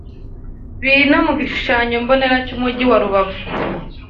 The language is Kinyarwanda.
biri no mu gishushanyombonera cy’umujyi wa Rubavu